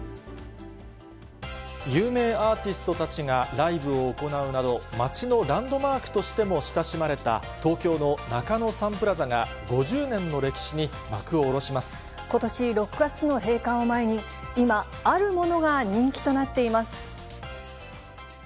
有名アーティストたちがライブを行うなど、街のランドマークとしても親しまれた東京の中野サンプラザが、ことし６月の閉館を前に、今、あるものが人気となっています。